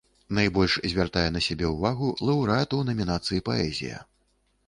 Найбольш звяртае на сябе ўвагу лаўрэат у намінацыі паэзія.